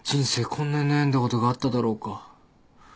こんなに悩んだことがあっただろうか。